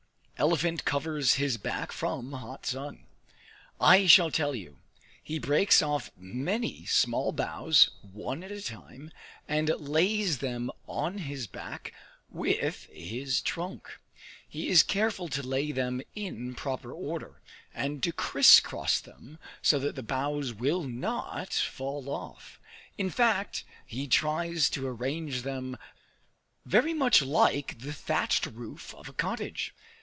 Elephant Covers his Back from Hot Sun I shall tell you. He breaks off many small boughs, one at a time, and lays them on his back with his trunk; he is careful to lay them in proper order, and to criss cross them, so that the boughs will not fall off. In fact, he tries to arrange them very much like the thatched roof of a cottage.